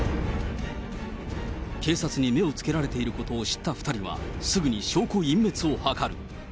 警察に目をつけられていることを知った２人は、すぐに証拠隠滅を図る。